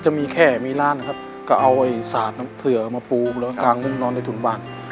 จะมีแค่มีร้านกระเอาสระมาปรูกางงุ้งรอนใบหุ่นบ้าน